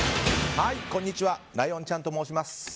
こんにちはライオンちゃんと申します。